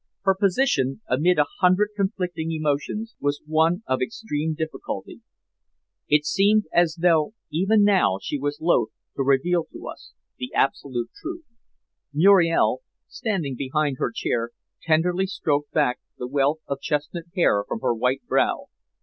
Her position, amid a hundred conflicting emotions, was one of extreme difficulty. It seemed as though even now she was loth to reveal to us the absolute truth. Muriel, standing behind her chair, tenderly stroked back the wealth of chestnut hair from her white brow.